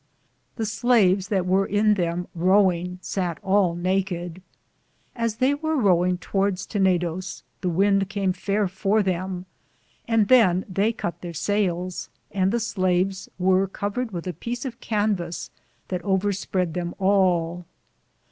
The slaves that weare in them row inge satt all nakede. As they weare rowinge towardes Tenedoes, the wynde cam fayer for them, and than they cut ther sayels, and the slaves weare covered with a peece of canves that over sprede them all.